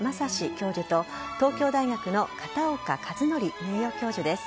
教授と東京大学の片岡一則名誉教授です。